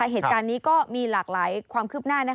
เหตุการณ์นี้ก็มีหลากหลายความคืบหน้า